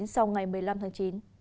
sau ngày một mươi năm tháng chín